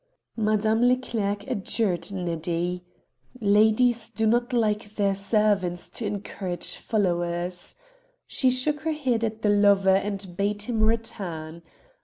Madame Leclerc adjured Neddy. Ladies do not like their servants to encourage followers. She shook her head at the lover and bade him return.